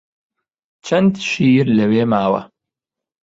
چەند شیر لەوێ ماوە؟